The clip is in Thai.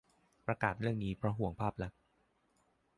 - ประกาศเรื่องนี้เพราะห่วงภาพลักษณ์